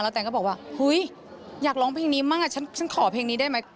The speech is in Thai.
แล้วแตนก็บอกว่าอยากร้องเพลงนี้มากฉันขอเพลงนี้ได้ไหม